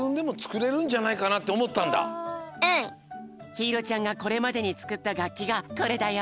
ひいろちゃんがこれまでにつくったがっきがこれだよ。